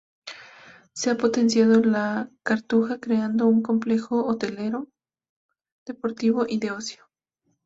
Se ha potenciado la Cartuja creando un complejo hostelero, deportivo y de ocio.